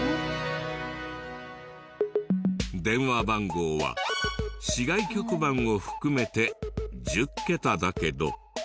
電話番号は市外局番を含めて１０桁だけど。